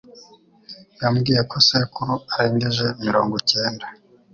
Yambwiye ko sekuru arengeje mirongo cyenda.